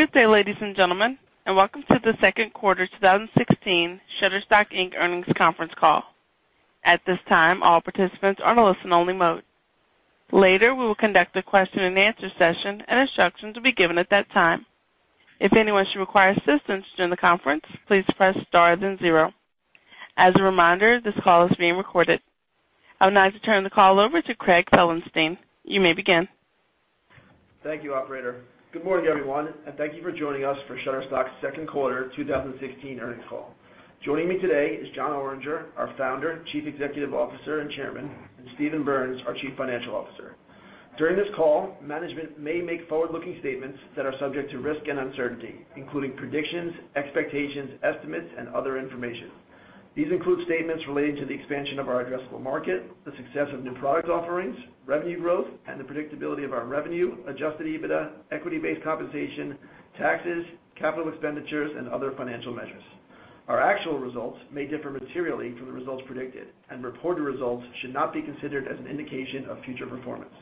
Good day, ladies and gentlemen. Welcome to the second quarter 2016 Shutterstock Inc. earnings conference call. At this time, all participants are in a listen only mode. Later, we will conduct a question and answer session, and instructions will be given at that time. If anyone should require assistance during the conference, please press star then zero. As a reminder, this call is being recorded. I would now like to turn the call over to Craig Felenstein. You may begin. Thank you, operator. Good morning, everyone. Thank you for joining us for Shutterstock's second quarter 2016 earnings call. Joining me today is Jon Oringer, our Founder, Chief Executive Officer, and Chairman, and Steven Berns, our Chief Financial Officer. During this call, management may make forward-looking statements that are subject to risk and uncertainty, including predictions, expectations, estimates, and other information. These include statements relating to the expansion of our addressable market, the success of new product offerings, revenue growth, and the predictability of our revenue, adjusted EBITDA, equity-based compensation, taxes, capital expenditures, and other financial measures. Our actual results may differ materially from the results predicted. Reported results should not be considered as an indication of future performance.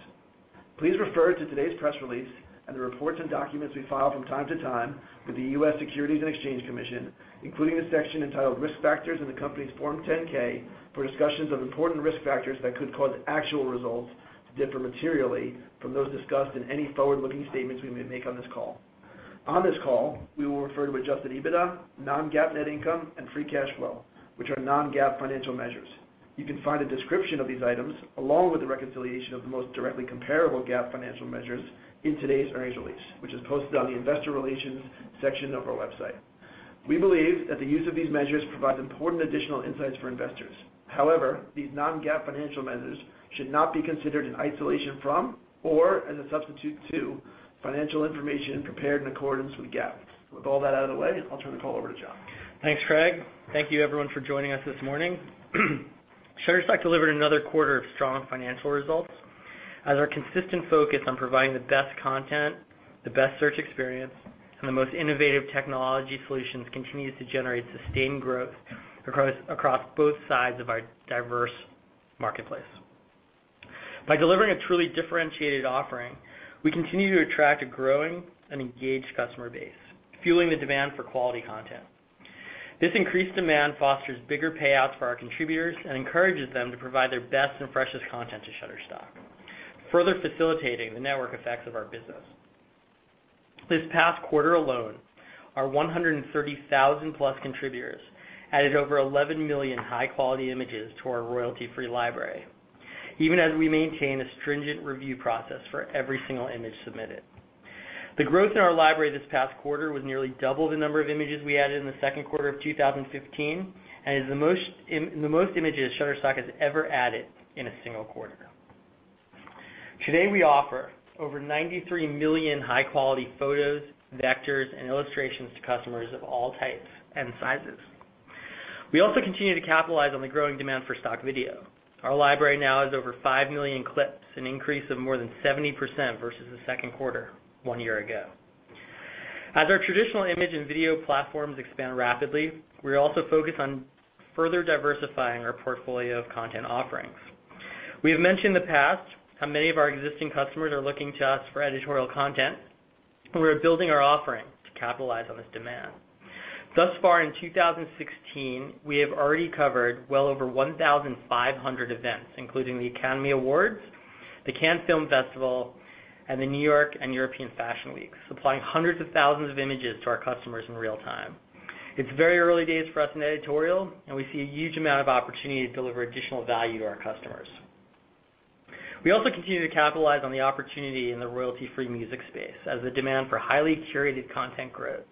Please refer to today's press release and the reports and documents we file from time to time with the US Securities and Exchange Commission, including the section entitled Risk Factors in the company's Form 10-K for discussions of important risk factors that could cause actual results to differ materially from those discussed in any forward-looking statements we may make on this call. On this call, we will refer to adjusted EBITDA, non-GAAP net income and free cash flow, which are non-GAAP financial measures. You can find a description of these items along with the reconciliation of the most directly comparable GAAP financial measures in today's earnings release, which is posted on the investor relations section of our website. We believe that the use of these measures provides important additional insights for investors. However, these non-GAAP financial measures should not be considered in isolation from, or as a substitute to financial information prepared in accordance with GAAP. With all that out of the way, I'll turn the call over to Jon. Thanks, Craig. Thank you everyone for joining us this morning. Shutterstock delivered another quarter of strong financial results as our consistent focus on providing the best content, the best search experience, and the most innovative technology solutions continues to generate sustained growth across both sides of our diverse marketplace. By delivering a truly differentiated offering, we continue to attract a growing and engaged customer base, fueling the demand for quality content. This increased demand fosters bigger payouts for our contributors and encourages them to provide their best and freshest content to Shutterstock, further facilitating the network effects of our business. This past quarter alone, our 130,000-plus contributors added over 11 million high-quality images to our royalty-free library, even as we maintain a stringent review process for every single image submitted. The growth in our library this past quarter was nearly double the number of images we added in the second quarter of 2015, is the most images Shutterstock has ever added in a single quarter. Today, we offer over 93 million high-quality photos, vectors, and illustrations to customers of all types and sizes. We also continue to capitalize on the growing demand for stock video. Our library now has over five million clips, an increase of more than 70% versus the second quarter one year ago. As our traditional image and video platforms expand rapidly, we're also focused on further diversifying our portfolio of content offerings. We have mentioned in the past how many of our existing customers are looking to us for editorial content, and we're building our offering to capitalize on this demand. Thus far in 2016, we have already covered well over 1,500 events, including the Academy Awards, the Cannes Film Festival, and the New York and European Fashion Weeks, supplying hundreds of thousands of images to our customers in real time. It's very early days for us in editorial, we see a huge amount of opportunity to deliver additional value to our customers. We also continue to capitalize on the opportunity in the royalty-free music space as the demand for highly curated content grows.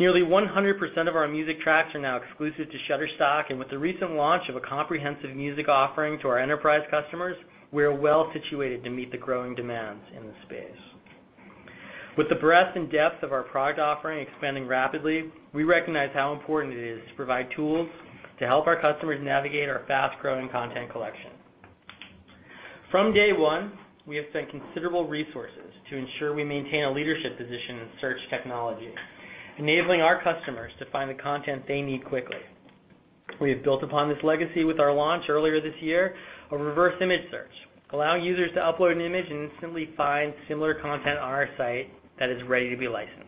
Nearly 100% of our music tracks are now exclusive to Shutterstock, with the recent launch of a comprehensive music offering to our enterprise customers, we are well situated to meet the growing demands in this space. With the breadth and depth of our product offering expanding rapidly, we recognize how important it is to provide tools to help our customers navigate our fast-growing content collection. From day one, we have spent considerable resources to ensure we maintain a leadership position in search technology, enabling our customers to find the content they need quickly. We have built upon this legacy with our launch earlier this year of reverse image search, allowing users to upload an image and instantly find similar content on our site that is ready to be licensed.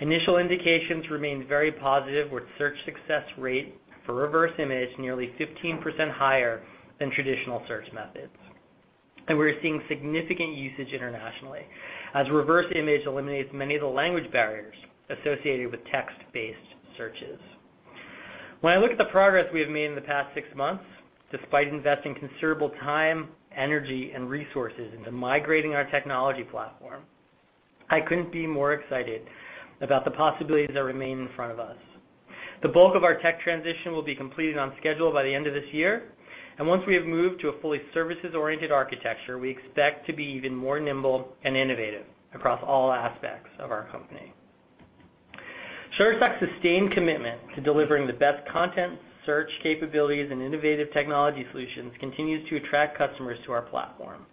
Initial indications remain very positive, with search success rate for reverse image nearly 15% higher than traditional search methods. We're seeing significant usage internationally as reverse image eliminates many of the language barriers associated with text-based searches. When I look at the progress we have made in the past six months, despite investing considerable time, energy, and resources into migrating our technology platform, I couldn't be more excited about the possibilities that remain in front of us. The bulk of our tech transition will be completed on schedule by the end of this year, and once we have moved to a fully services-oriented architecture, we expect to be even more nimble and innovative across all aspects of our company. Shutterstock's sustained commitment to delivering the best content, search capabilities, and innovative technology solutions continues to attract customers to our platform.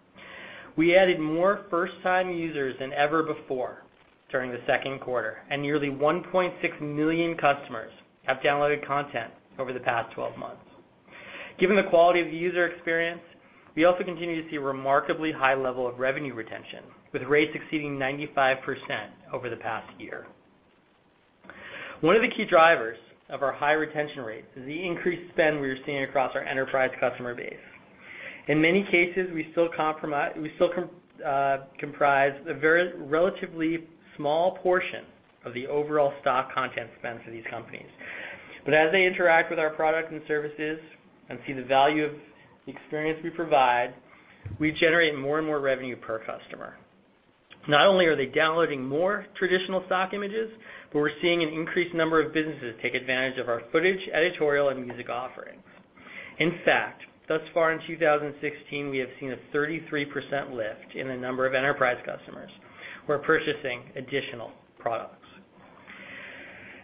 We added more first-time users than ever before during the second quarter, and nearly 1.6 million customers have downloaded content over the past 12 months. Given the quality of the user experience, we also continue to see a remarkably high level of revenue retention, with rates exceeding 95% over the past year. One of the key drivers of our high retention rate is the increased spend we are seeing across our enterprise customer base. In many cases, we still comprise a very relatively small portion of the overall stock content spend for these companies. As they interact with our products and services and see the value of the experience we provide, we generate more and more revenue per customer. Not only are they downloading more traditional stock images, but we're seeing an increased number of businesses take advantage of our footage, editorial, and music offerings. In fact, thus far in 2016, we have seen a 33% lift in the number of enterprise customers who are purchasing additional products.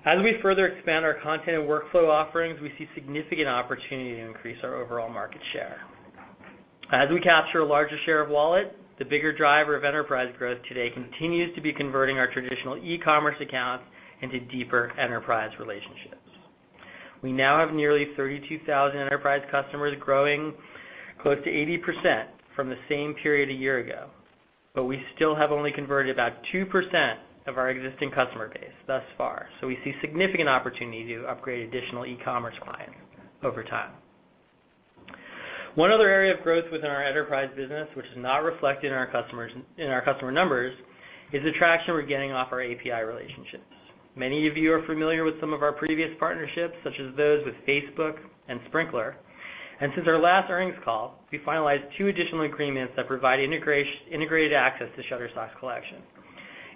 As we further expand our content and workflow offerings, we see significant opportunity to increase our overall market share. As we capture a larger share of wallet, the bigger driver of enterprise growth today continues to be converting our traditional e-commerce accounts into deeper enterprise relationships. We now have nearly 32,000 enterprise customers growing close to 80% from the same period a year ago, but we still have only converted about 2% of our existing customer base thus far. We see significant opportunity to upgrade additional e-commerce clients over time. One other area of growth within our enterprise business, which is not reflected in our customer numbers, is the traction we're getting off our API relationships. Many of you are familiar with some of our previous partnerships, such as those with Facebook and Sprinklr. Since our last earnings call, we finalized two additional agreements that provide integrated access to Shutterstock's collection.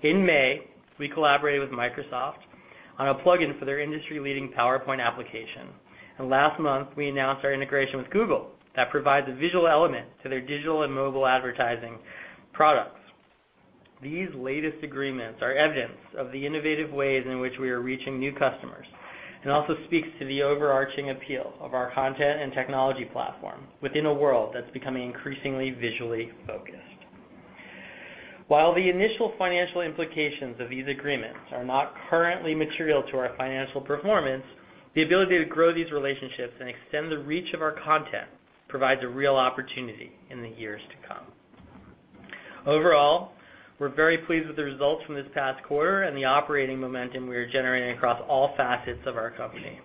In May, we collaborated with Microsoft on a plugin for their industry-leading PowerPoint application. Last month, we announced our integration with Google that provides a visual element to their digital and mobile advertising products. These latest agreements are evidence of the innovative ways in which we are reaching new customers and also speaks to the overarching appeal of our content and technology platform within a world that's becoming increasingly visually focused. While the initial financial implications of these agreements are not currently material to our financial performance, the ability to grow these relationships and extend the reach of our content provides a real opportunity in the years to come. Overall, we're very pleased with the results from this past quarter and the operating momentum we are generating across all facets of our company.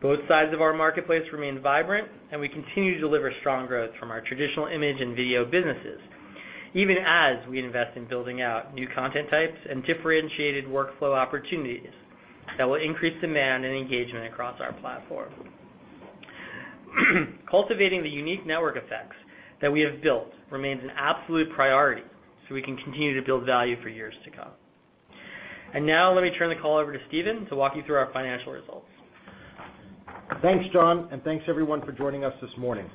Both sides of our marketplace remain vibrant, and we continue to deliver strong growth from our traditional image and video businesses, even as we invest in building out new content types and differentiated workflow opportunities that will increase demand and engagement across our platform. Cultivating the unique network effects that we have built remains an absolute priority so we can continue to build value for years to come. Now let me turn the call over to Steven to walk you through our financial results. Thanks, Jon, and thanks everyone for joining us this morning.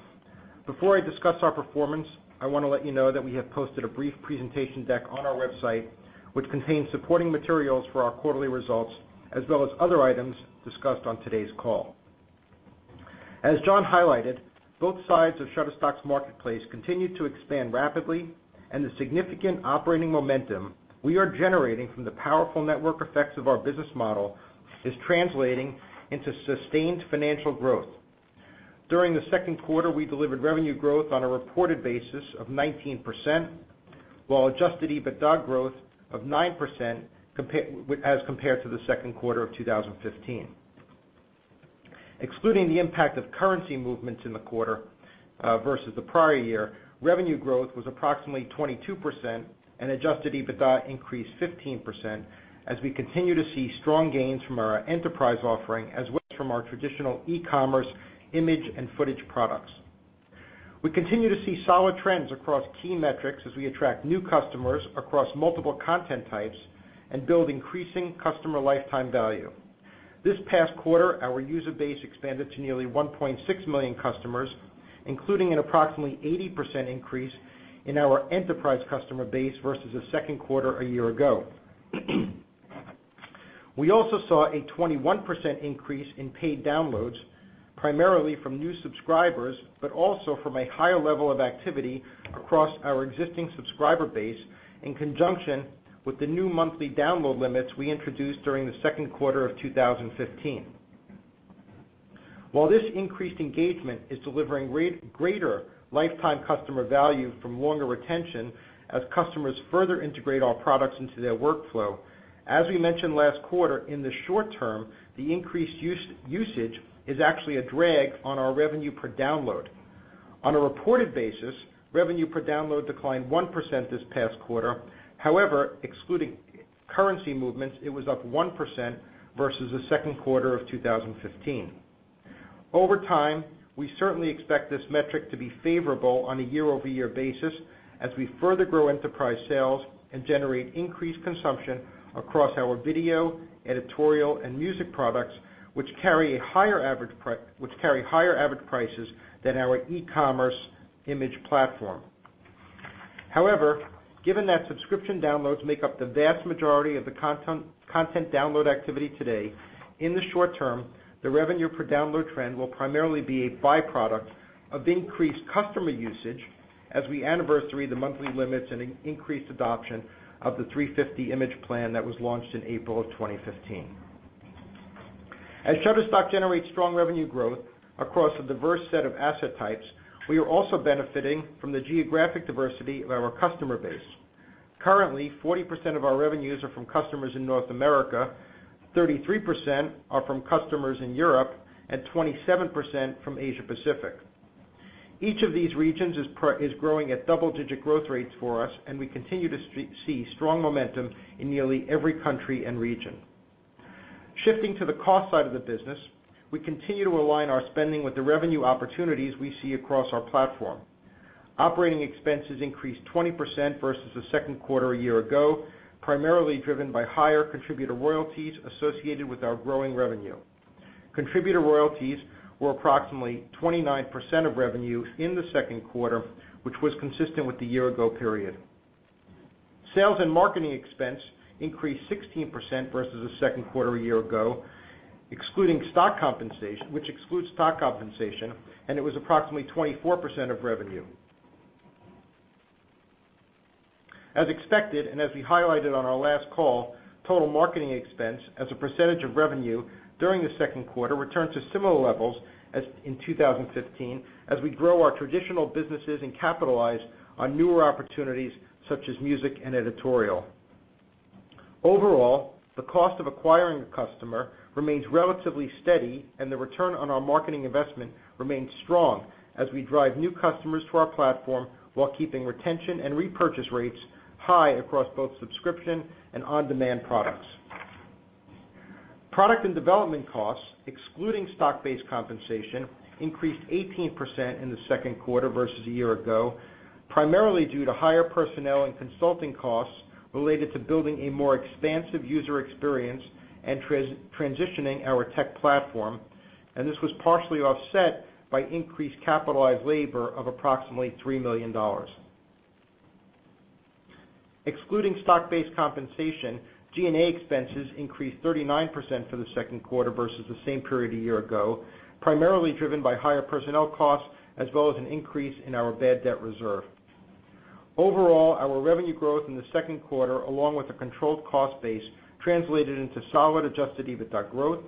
Before I discuss our performance, I want to let you know that we have posted a brief presentation deck on our website, which contains supporting materials for our quarterly results, as well as other items discussed on today's call. As Jon highlighted, both sides of Shutterstock's marketplace continue to expand rapidly, and the significant operating momentum we are generating from the powerful network effects of our business model is translating into sustained financial growth. During the second quarter, we delivered revenue growth on a reported basis of 19%, while adjusted EBITDA growth of 9% as compared to the second quarter of 2015. Excluding the impact of currency movements in the quarter versus the prior year, revenue growth was approximately 22%, and adjusted EBITDA increased 15% as we continue to see strong gains from our enterprise offering as well as from our traditional e-commerce image and footage products. We continue to see solid trends across key metrics as we attract new customers across multiple content types and build increasing customer lifetime value. This past quarter, our user base expanded to nearly 1.6 million customers, including an approximately 80% increase in our enterprise customer base versus the second quarter a year ago. We also saw a 21% increase in paid downloads, primarily from new subscribers, but also from a higher level of activity across our existing subscriber base in conjunction with the new monthly download limits we introduced during the second quarter of 2015. While this increased engagement is delivering greater lifetime customer value from longer retention as customers further integrate our products into their workflow, as we mentioned last quarter, in the short term, the increased usage is actually a drag on our revenue per download. On a reported basis, revenue per download declined 1% this past quarter. However, excluding currency movements, it was up 1% versus the second quarter of 2015. Over time, we certainly expect this metric to be favorable on a year-over-year basis as we further grow enterprise sales and generate increased consumption across our video, editorial, and music products, which carry higher average prices than our e-commerce image platform. However, given that subscription downloads make up the vast majority of the content download activity today, in the short term, the revenue per download trend will primarily be a byproduct of increased customer usage as we anniversary the monthly limits and increased adoption of the 350 Image Plan that was launched in April of 2015. As Shutterstock generates strong revenue growth across a diverse set of asset types, we are also benefiting from the geographic diversity of our customer base. Currently, 40% of our revenues are from customers in North America, 33% are from customers in Europe, and 27% from Asia Pacific. Each of these regions is growing at double-digit growth rates for us, and we continue to see strong momentum in nearly every country and region. Shifting to the cost side of the business, we continue to align our spending with the revenue opportunities we see across our platform. Operating expenses increased 20% versus the second quarter a year ago, primarily driven by higher contributor royalties associated with our growing revenue. Contributor royalties were approximately 29% of revenue in the second quarter, which was consistent with the year ago period. Sales and marketing expense increased 16% versus the second quarter a year ago, which excludes stock compensation, and it was approximately 24% of revenue. As expected, as we highlighted on our last call, total marketing expense as a percentage of revenue during the second quarter returned to similar levels as in 2015, as we grow our traditional businesses and capitalize on newer opportunities such as music and editorial. Overall, the cost of acquiring a customer remains relatively steady, and the return on our marketing investment remains strong as we drive new customers to our platform while keeping retention and repurchase rates high across both subscription and on-demand products. Product and development costs, excluding stock-based compensation, increased 18% in the second quarter versus a year ago, primarily due to higher personnel and consulting costs related to building a more expansive user experience and transitioning our tech platform. This was partially offset by increased capitalized labor of approximately $3 million. Excluding stock-based compensation, G&A expenses increased 39% for the second quarter versus the same period a year ago, primarily driven by higher personnel costs as well as an increase in our bad debt reserve. Overall, our revenue growth in the second quarter, along with a controlled cost base, translated into solid adjusted EBITDA growth.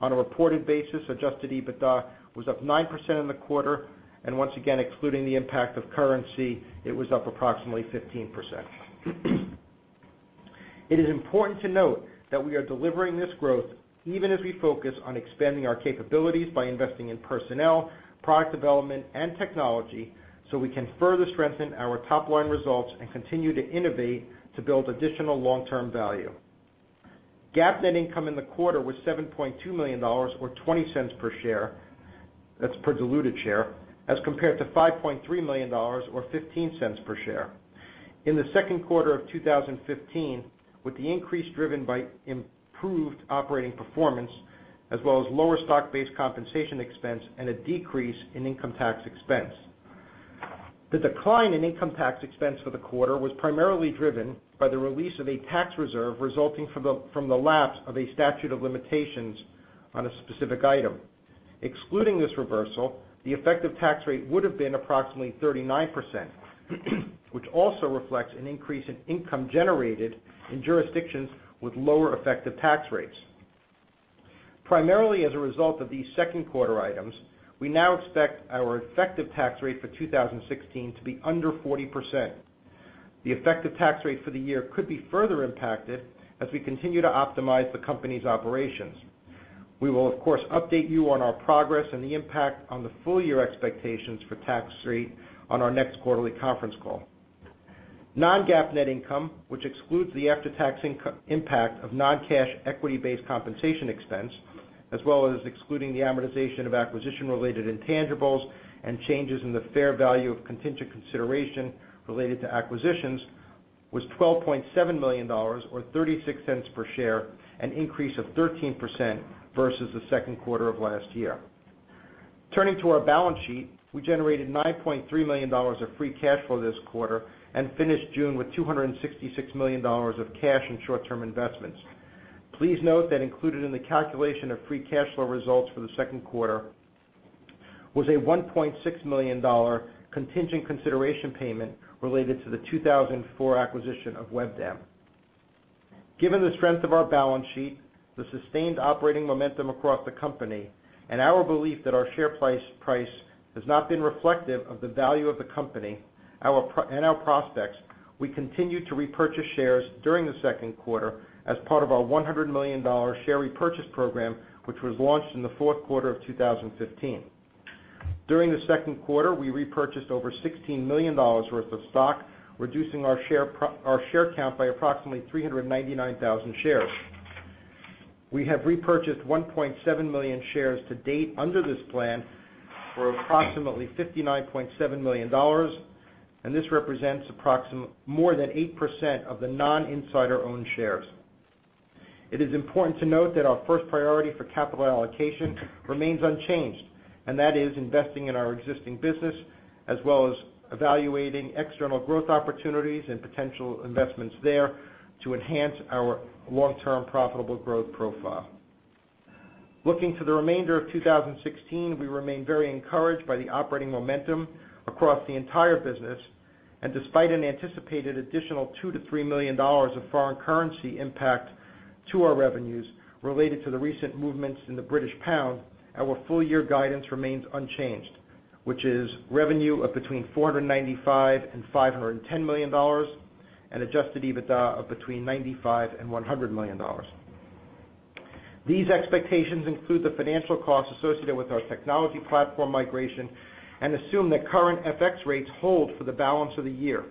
On a reported basis, adjusted EBITDA was up 9% in the quarter. Once again, excluding the impact of currency, it was up approximately 15%. It is important to note that we are delivering this growth even as we focus on expanding our capabilities by investing in personnel, product development and technology so we can further strengthen our top-line results and continue to innovate to build additional long-term value. GAAP net income in the quarter was $7.2 million or $0.20 per share, that's per diluted share, as compared to $5.3 million or $0.15 per share. In the second quarter of 2015, with the increase driven by improved operating performance as well as lower stock-based compensation expense and a decrease in income tax expense. The decline in income tax expense for the quarter was primarily driven by the release of a tax reserve resulting from the lapse of a statute of limitations on a specific item. Excluding this reversal, the effective tax rate would have been approximately 39%, which also reflects an increase in income generated in jurisdictions with lower effective tax rates. Primarily as a result of these second quarter items, we now expect our effective tax rate for 2016 to be under 40%. The effective tax rate for the year could be further impacted as we continue to optimize the company's operations. We will, of course, update you on our progress and the impact on the full year expectations for tax rate on our next quarterly conference call. Non-GAAP net income, which excludes the after-tax income impact of non-cash equity-based compensation expense, as well as excluding the amortization of acquisition-related intangibles and changes in the fair value of contingent consideration related to acquisitions, was $12.7 million, or $0.36 per share, an increase of 13% versus the second quarter of last year. Turning to our balance sheet, we generated $9.3 million of free cash flow this quarter and finished June with $266 million of cash and short-term investments. Please note that included in the calculation of free cash flow results for the second quarter was a $1.6 million contingent consideration payment related to the 2014 acquisition of WebDAM. Given the strength of our balance sheet, the sustained operating momentum across the company, and our belief that our share price has not been reflective of the value of the company and our prospects, we continued to repurchase shares during the second quarter as part of our $100 million share repurchase program, which was launched in the fourth quarter of 2015. During the second quarter, we repurchased over $16 million worth of stock, reducing our share count by approximately 399,000 shares. We have repurchased 1.7 million shares to date under this plan for approximately $59.7 million, This represents more than 8% of the non-insider-owned shares. It is important to note that our first priority for capital allocation remains unchanged, that is investing in our existing business as well as evaluating external growth opportunities and potential investments there to enhance our long-term profitable growth profile. Looking to the remainder of 2016, we remain very encouraged by the operating momentum across the entire business. Despite an anticipated additional $2 million to $3 million of foreign currency impact to our revenues related to the recent movements in the British pound, our full year guidance remains unchanged, which is revenue of between $495 million and $510 million, and adjusted EBITDA of between $95 million and $100 million. These expectations include the financial costs associated with our technology platform migration and assume that current FX rates hold for the balance of the year.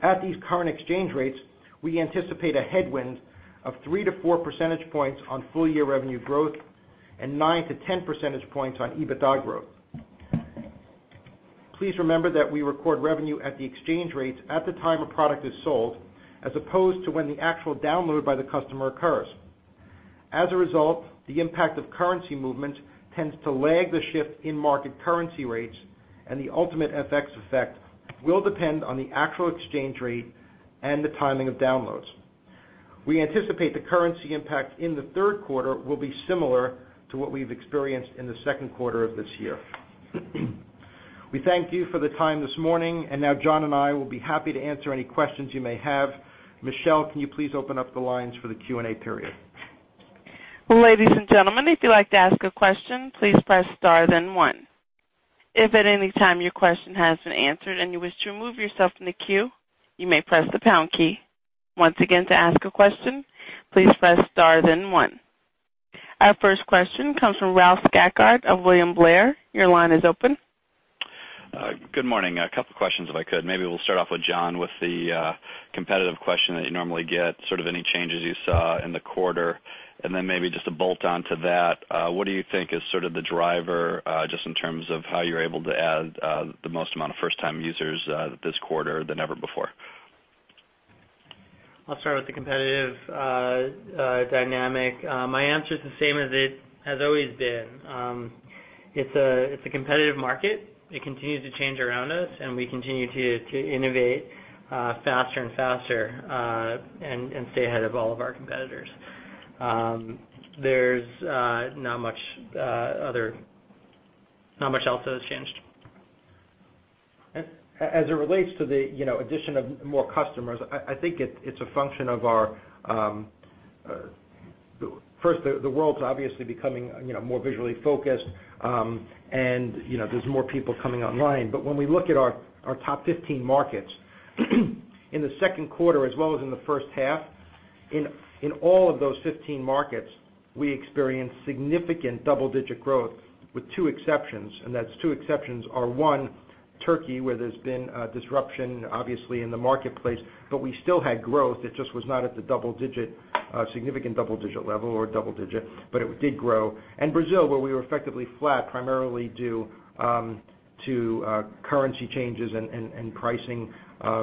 At these current exchange rates, we anticipate a headwind of three to four percentage points on full year revenue growth and nine to 10 percentage points on EBITDA growth. Please remember that we record revenue at the exchange rates at the time a product is sold, as opposed to when the actual download by the customer occurs. As a result, the impact of currency movement tends to lag the shift in market currency rates, and the ultimate FX effect will depend on the actual exchange rate and the timing of downloads. We anticipate the currency impact in the third quarter will be similar to what we've experienced in the second quarter of this year. We thank you for the time this morning. Now Jon and I will be happy to answer any questions you may have. Michelle, can you please open up the lines for the Q&A period? Ladies and gentlemen, if you'd like to ask a question, please press star then one. If at any time your question has been answered and you wish to remove yourself from the queue, you may press the pound key. Once again, to ask a question, please press star then one. Our first question comes from Ralph Schackart of William Blair. Your line is open. Good morning. A couple questions if I could. Maybe we'll start off with Jon with the competitive question that you normally get, any changes you saw in the quarter. Then maybe just to bolt on to that, what do you think is the driver, just in terms of how you're able to add the most amount of first-time users this quarter than ever before? I'll start with the competitive dynamic. My answer's the same as it has always been. It's a competitive market. It continues to change around us. We continue to innovate faster and faster, and stay ahead of all of our competitors. There's not much else that has changed. As it relates to the addition of more customers, I think it's a function of our. First, the world's obviously becoming more visually focused, and there's more people coming online. When we look at our top 15 markets, in the second quarter as well as in the first half, in all of those 15 markets, we experienced significant double-digit growth with two exceptions. That's two exceptions are, one, Turkey, where there's been a disruption, obviously, in the marketplace, but we still had growth. It just was not at the significant double-digit level or double-digit, but it did grow. Brazil, where we were effectively flat primarily due to currency changes and pricing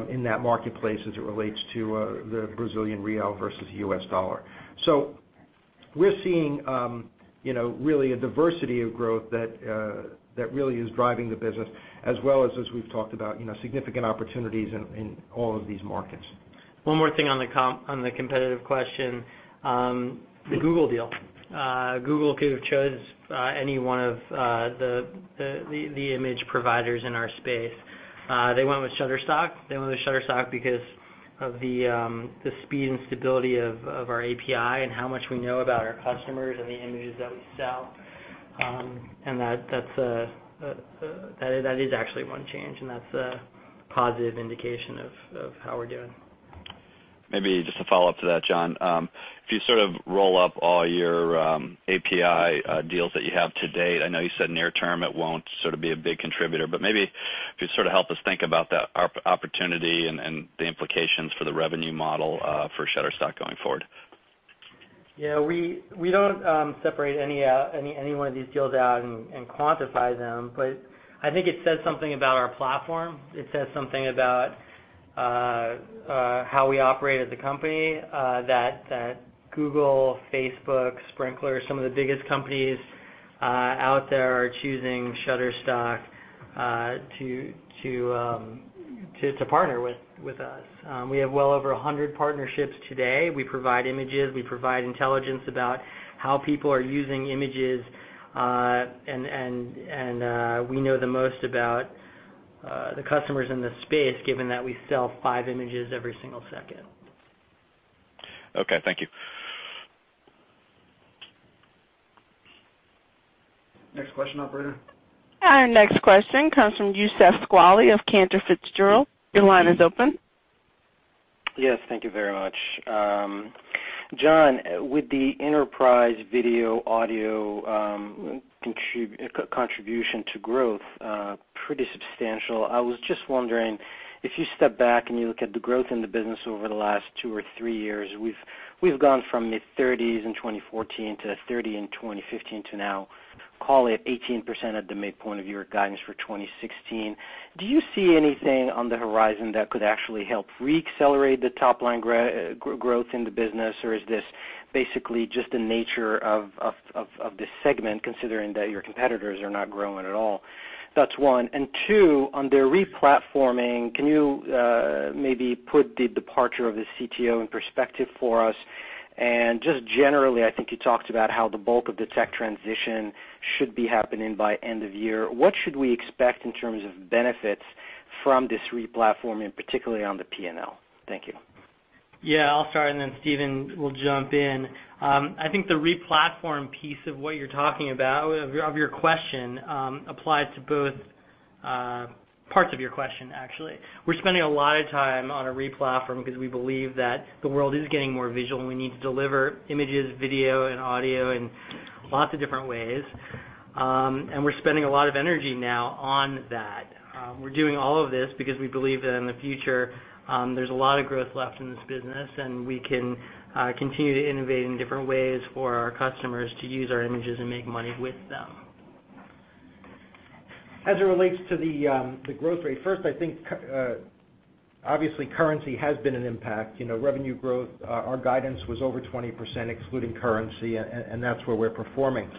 in that marketplace as it relates to the Brazilian real versus the US dollar. We're seeing really a diversity of growth that really is driving the business as well as we've talked about, significant opportunities in all of these markets. One more thing on the competitive question. The Google deal. Google could have chose any one of the image providers in our space. They went with Shutterstock. They went with Shutterstock because of the speed and stability of our API and how much we know about our customers and the images that we sell. That is actually one change, and that's a positive indication of how we're doing. Maybe just to follow up to that, Jon. If you roll up all your API deals that you have to date, I know you said near term it won't be a big contributor, but maybe if you help us think about that opportunity and the implications for the revenue model for Shutterstock going forward. Yeah. We don't separate any one of these deals out and quantify them. I think it says something about our platform. It says something about how we operate as a company, that Google, Facebook, Sprinklr, some of the biggest companies out there are choosing Shutterstock to partner with us. We have well over 100 partnerships today. We provide images, we provide intelligence about how people are using images. We know the most about the customers in this space, given that we sell five images every single second. Okay. Thank you. Next question, operator. Our next question comes from Youssef Squali of Cantor Fitzgerald. Your line is open. Yes, thank you very much. Jon, with the enterprise video audio contribution to growth pretty substantial, I was just wondering if you step back and you look at the growth in the business over the last two or three years, we've gone from mid-30s in 2014 to 30% in 2015 to now call it 18% at the midpoint of your guidance for 2016. Do you see anything on the horizon that could actually help re-accelerate the top-line growth in the business, or is this basically just the nature of this segment, considering that your competitors are not growing at all? That's one. Two, on their re-platforming, can you maybe put the departure of the CTO in perspective for us? Just generally, I think you talked about how the bulk of the tech transition should be happening by end of year. What should we expect in terms of benefits from this re-platforming, particularly on the P&L? Thank you. Yeah, I'll start, and then Steven will jump in. I think the re-platform piece of what you're talking about, of your question, applies to both parts of your question, actually. We're spending a lot of time on a re-platform because we believe that the world is getting more visual, and we need to deliver images, video, and audio in lots of different ways. We're spending a lot of energy now on that. We're doing all of this because we believe that in the future, there's a lot of growth left in this business, and we can continue to innovate in different ways for our customers to use our images and make money with them. As it relates to the growth rate, first, I think, obviously currency has been an impact. Revenue growth, our guidance was over 20%, excluding currency, and that's where we're performing.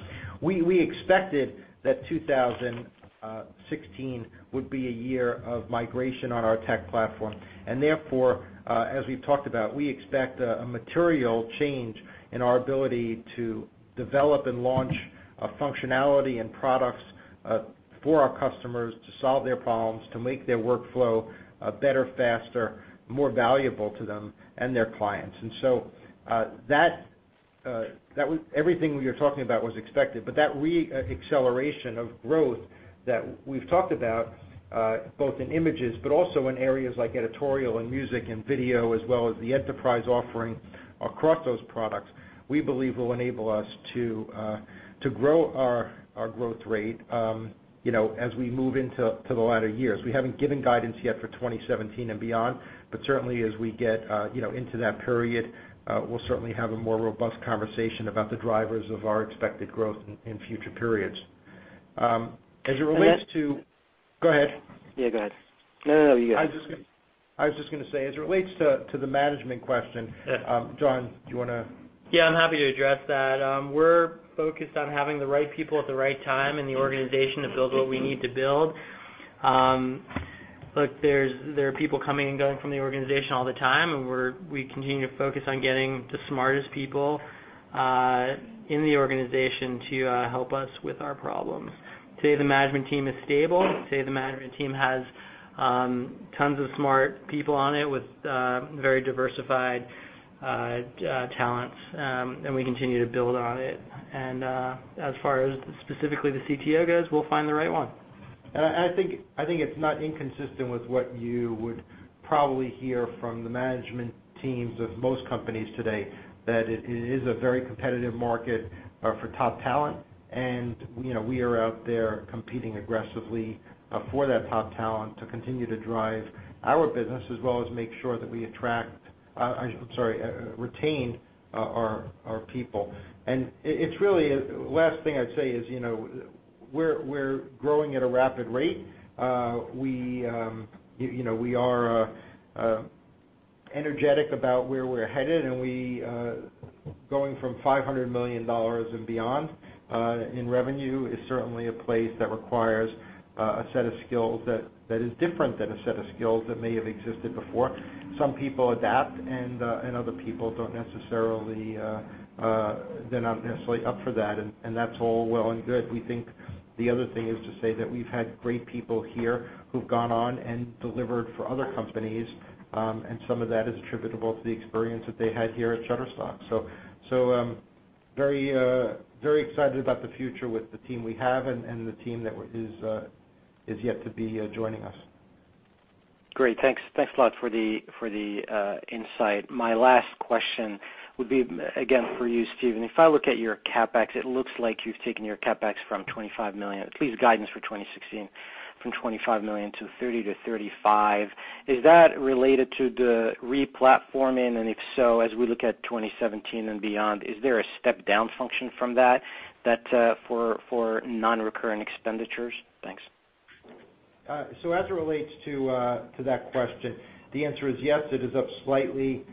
We expected that 2016 would be a year of migration on our tech platform. Therefore, as we've talked about, we expect a material change in our ability to develop and launch functionality and products for our customers to solve their problems, to make their workflow better, faster, more valuable to them and their clients. Everything we were talking about was expected. That re-acceleration of growth that we've talked about, both in images, but also in areas like editorial and music and video, as well as the enterprise offering across those products, we believe will enable us to grow our growth rate as we move into the latter years. We haven't given guidance yet for 2017 and beyond, but certainly as we get into that period, we'll certainly have a more robust conversation about the drivers of our expected growth in future periods. As it relates to- And then- Go ahead. Yeah, go ahead. No, you go. I was just going to say, as it relates to the management question, Jon, do you want to? Yeah, I'm happy to address that. We're focused on having the right people at the right time in the organization to build what we need to build. Look, there are people coming and going from the organization all the time, we continue to focus on getting the smartest people in the organization to help us with our problems. Today, the management team is stable. Today, the management team has tons of smart people on it with very diversified talents, we continue to build on it. As far as specifically the CTO goes, we'll find the right one. I think it's not inconsistent with what you would probably hear from the management teams of most companies today, that it is a very competitive market for top talent, we are out there competing aggressively for that top talent to continue to drive our business, as well as make sure that we attract, I'm sorry, retain our people. The last thing I'd say is we're growing at a rapid rate. We are energetic about where we're headed, going from $500 million and beyond in revenue is certainly a place that requires a set of skills that is different than a set of skills that may have existed before. Some people adapt, other people they're not necessarily up for that. That's all well and good. We think the other thing is to say that we've had great people here who've gone on and delivered for other companies, some of that is attributable to the experience that they had here at Shutterstock. Very excited about the future with the team we have and the team that is yet to be joining us. Great. Thanks a lot for the insight. My last question would be, again, for you, Steven. If I look at your CapEx, it looks like you've taken your CapEx from $25 million, at least guidance for 2016, from $25 million to $30 million-$35 million. Is that related to the re-platforming? If so, as we look at 2017 and beyond, is there a step down function from that for non-recurring expenditures? Thanks. As it relates to that question, the answer is yes. It is up slightly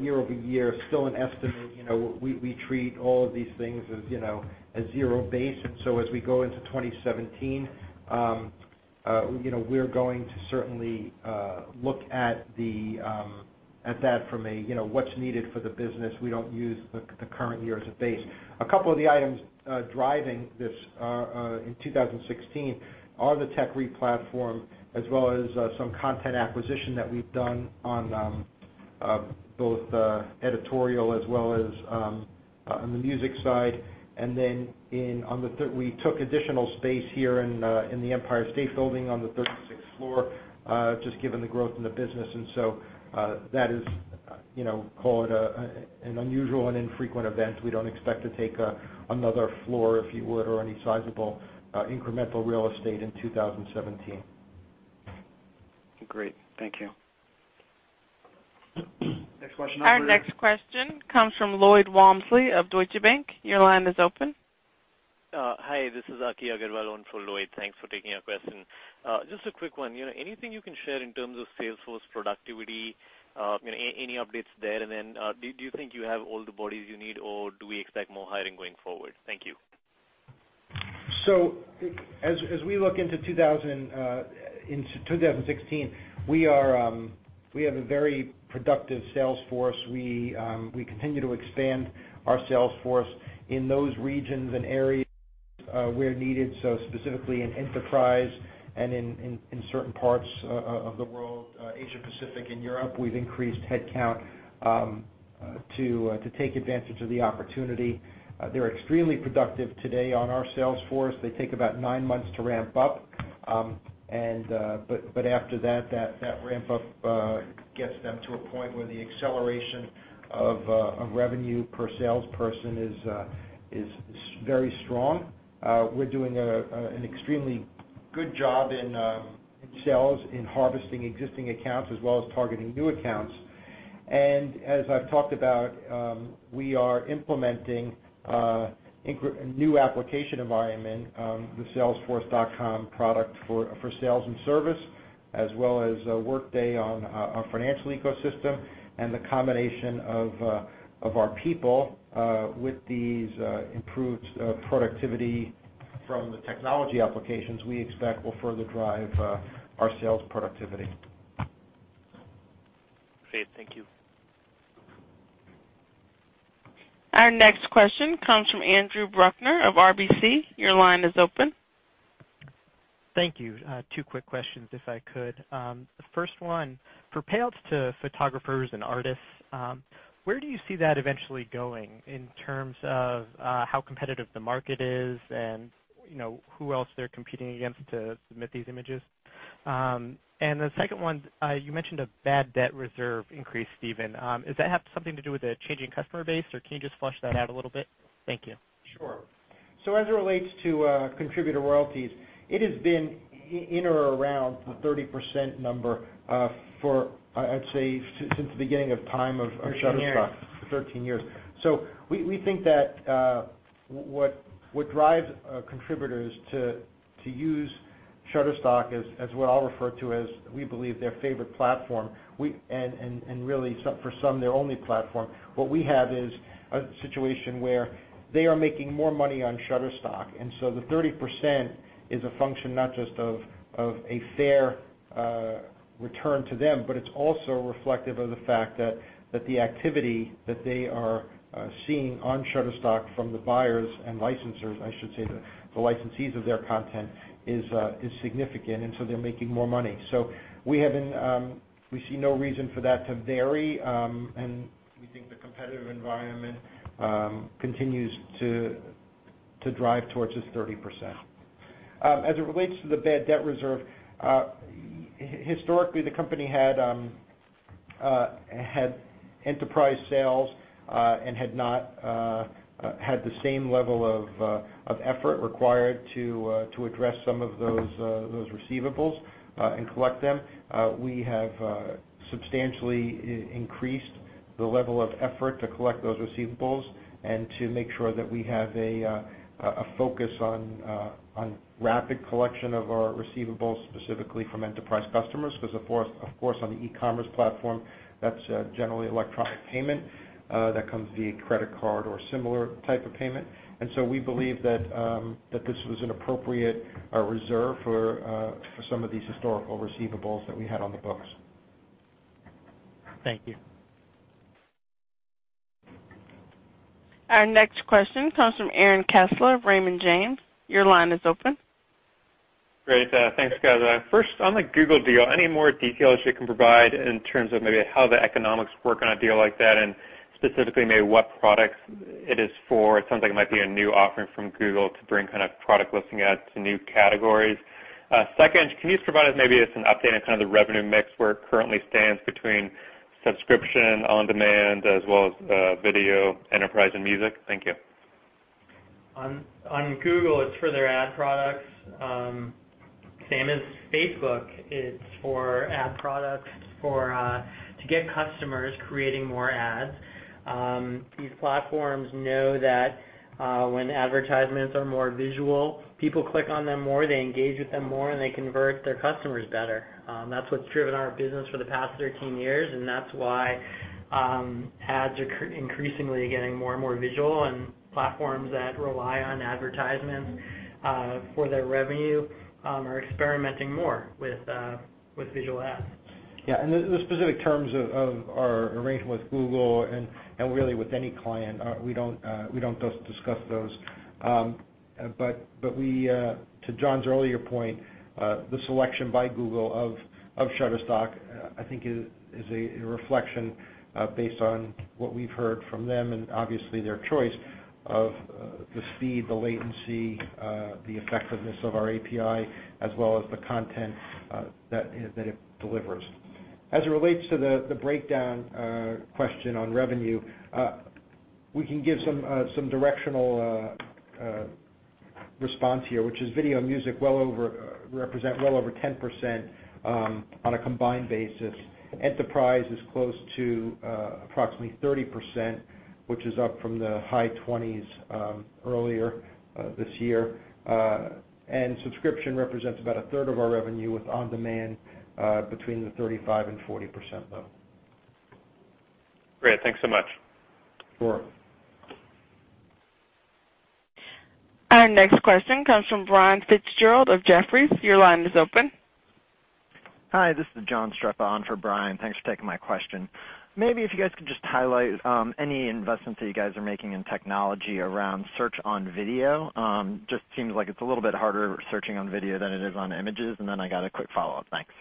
year-over-year. Still an estimate. We treat all of these things as zero base. As we go into 2017, we're going to certainly look at that from a what's needed for the business. We don't use the current year as a base. A couple of the items driving this in 2016 are the tech re-platform, as well as some content acquisition that we've done on both editorial as well as on the music side. Then we took additional space here in the Empire State Building on the 36th floor, just given the growth in the business, so that is called an unusual and infrequent event. We don't expect to take another floor, if you would, or any sizable incremental real estate in 2017. Great. Thank you. Next question operator. Our next question comes from Lloyd Walmsley of Deutsche Bank. Your line is open. Hi, this is Aki Agarwal on for Lloyd. Thanks for taking our question. Just a quick one. Anything you can share in terms of sales force productivity? Any updates there? Do you think you have all the bodies you need, or do we expect more hiring going forward? Thank you. As we look into 2016, we have a very productive sales force. We continue to expand our sales force in those regions and areas where needed, specifically in enterprise and in certain parts of the world, Asia Pacific and Europe, we've increased headcount to take advantage of the opportunity. They're extremely productive today on our sales force. They take about nine months to ramp up. After that ramp-up gets them to a point where the acceleration of revenue per salesperson is very strong. We're doing an extremely good job in sales, in harvesting existing accounts as well as targeting new accounts. As I've talked about, we are implementing a new application environment, the salesforce.com product for sales and service, as well as Workday on our financial ecosystem. The combination of our people with these improves productivity from the technology applications we expect will further drive our sales productivity. Great. Thank you. Our next question comes from Andrew Bruckner of RBC. Your line is open. Thank you. Two quick questions, if I could. The first one, for payouts to photographers and artists, where do you see that eventually going in terms of how competitive the market is and who else they're competing against to submit these images? The second one, you mentioned a bad debt reserve increase, Steven. Does that have something to do with the changing customer base, or can you just flesh that out a little bit? Thank you. As it relates to contributor royalties, it has been in or around the 30% number for, I'd say, since the beginning of time of Shutterstock. 13 years. 13 years. We think that what drives contributors to use Shutterstock is as what I'll refer to as, we believe, their favorite platform, and really for some, their only platform. What we have is a situation where they are making more money on Shutterstock, and so the 30% is a function not just of a fair return to them, but it's also reflective of the fact that the activity that they are seeing on Shutterstock from the buyers and licensors, I should say, the licensees of their content is significant, and so they're making more money. We see no reason for that to vary, and we think the competitive environment continues to drive towards this 30%. As it relates to the bad debt reserve, historically, the company had enterprise sales and had not had the same level of effort required to address some of those receivables and collect them. We have substantially increased the level of effort to collect those receivables and to make sure that we have a focus on rapid collection of our receivables, specifically from enterprise customers, because of course, on the e-commerce platform, that's generally electronic payment that comes via credit card or similar type of payment. We believe that this was an appropriate reserve for some of these historical receivables that we had on the books. Thank you. Our next question comes from Aaron Kessler of Raymond James. Your line is open. Great. Thanks, guys. First, on the Google deal, any more details you can provide in terms of maybe how the economics work on a deal like that, and specifically maybe what products it is for? It sounds like it might be a new offering from Google to bring kind of product listing ads to new categories. Second, can you just provide us maybe just an update on kind of the revenue mix, where it currently stands between subscription, on-demand, as well as video, enterprise, and music? Thank you. On Google, it's for their ad products. Same as Facebook. It's for ad products to get customers creating more ads. These platforms know that when advertisements are more visual, people click on them more, they engage with them more, and they convert their customers better. That's what's driven our business for the past 13 years, and that's why ads are increasingly getting more and more visual, and platforms that rely on advertisements for their revenue are experimenting more with visual ads. Yeah, the specific terms of our arrangement with Google and really with any client, we don't discuss those. To Jon's earlier point, the selection by Google of Shutterstock, I think, is a reflection based on what we've heard from them and obviously their choice of the speed, the latency, the effectiveness of our API, as well as the content that it delivers. As it relates to the breakdown question on revenue, we can give some directional response here, which is video and music represent well over 10% on a combined basis. Enterprise is close to approximately 30%, which is up from the high 20s earlier this year. Subscription represents about a third of our revenue, with on-demand between the 35% and 40% though. Great. Thanks so much. Sure. Our next question comes from Brian Fitzgerald of Jefferies. Your line is open. Hi, this is John Streppa on for Brian. Thanks for taking my question. If you guys could just highlight any investments that you guys are making in technology around search on video. Seems like it's a little bit harder searching on video than it is on images, I got a quick follow-up. Thanks.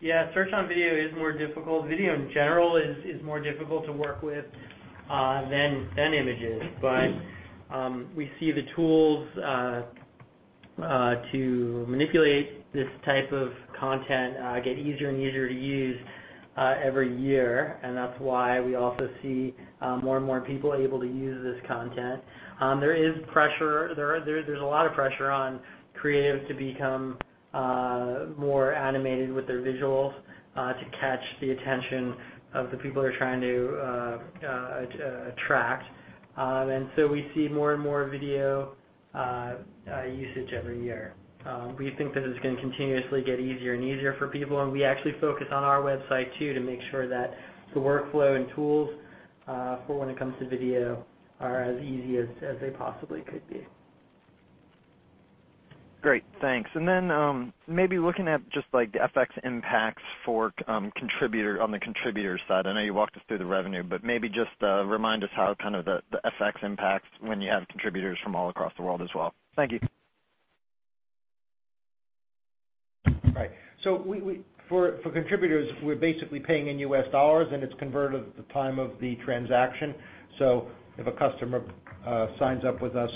Yeah. Search on video is more difficult. Video in general is more difficult to work with than images. We see the tools to manipulate this type of content get easier and easier to use every year, and that's why we also see more and more people able to use this content. There's a lot of pressure on creatives to become more animated with their visuals to catch the attention of the people they're trying to attract. We see more and more video usage every year. We think that it's going to continuously get easier and easier for people, and we actually focus on our website too, to make sure that the workflow and tools for when it comes to video are as easy as they possibly could be. Great, thanks. Maybe looking at just like the FX impacts on the contributors side. I know you walked us through the revenue, but maybe just remind us how kind of the FX impacts when you have contributors from all across the world as well. Thank you. Right. For contributors, we're basically paying in US dollars, and it's converted at the time of the transaction. If a customer signs up with us,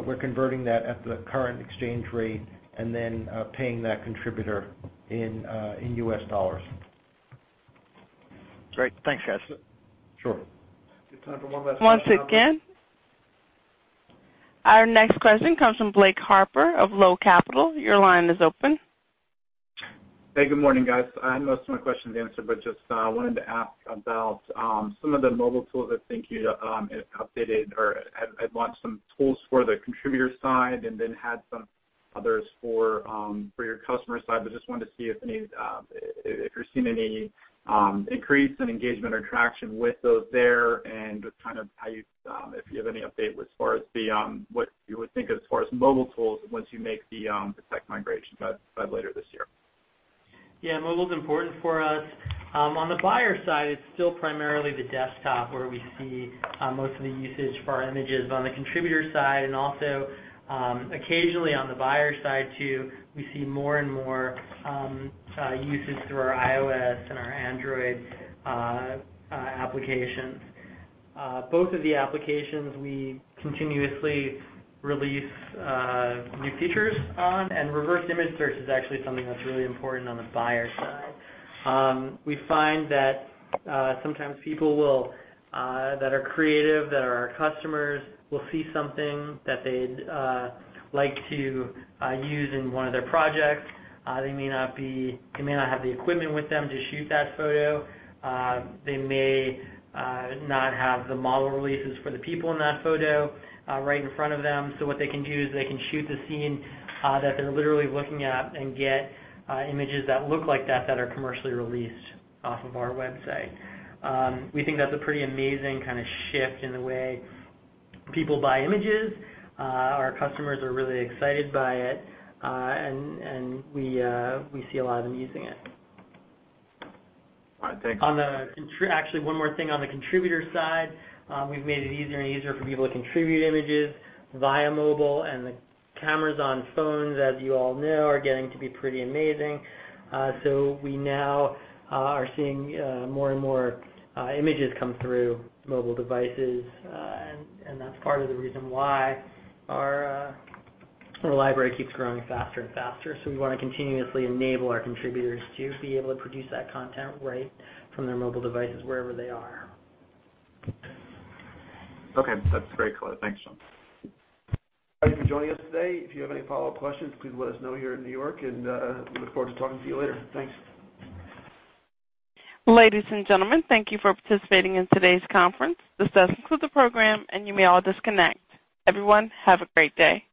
we're converting that at the current exchange rate and then paying that contributor in US dollars. Great. Thanks, guys. Sure. We have time for one last question. Once again. Our next question comes from Blake Harper of Loop Capital. Your line is open. Hey, good morning, guys. Most of my questions are answered, just wanted to ask about some of the mobile tools I think you had updated or had launched some tools for the contributor side then had some others for your customer side. Just wanted to see if you're seeing any increase in engagement or traction with those there and just kind of if you have any update with what you would think of as far as mobile tools once you make the tech migration by later this year. Yeah. Mobile's important for us. On the buyer side, it's still primarily the desktop where we see most of the usage for our images. On the contributor side and also occasionally on the buyer side too, we see more and more usage through our iOS and our Android applications. Both of the applications we continuously release new features on, reverse image search is actually something that's really important on the buyer side. We find that sometimes people that are creative, that are our customers, will see something that they'd like to use in one of their projects. They may not have the equipment with them to shoot that photo. They may not have the model releases for the people in that photo right in front of them. What they can do is they can shoot the scene that they're literally looking at get images that look like that are commercially released off of our website. We think that's a pretty amazing kind of shift in the way people buy images. Our customers are really excited by it, we see a lot of them using it. All right. Thanks. Actually, one more thing on the contributor side. We've made it easier and easier for people to contribute images via mobile, and the cameras on phones, as you all know, are getting to be pretty amazing. We now are seeing more and more images come through mobile devices, and that's part of the reason why our library keeps growing faster and faster. We want to continuously enable our contributors to be able to produce that content right from their mobile devices wherever they are. Okay. That's great. Thanks, Jon. Thanks for joining us today. If you have any follow-up questions, please let us know here in New York, and we look forward to talking to you later. Thanks. Ladies and gentlemen, thank you for participating in today's conference. This does conclude the program, and you may all disconnect. Everyone, have a great day.